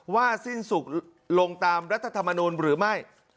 สิ้นสุดลงตามรัฐธรรมนูลหรือไม่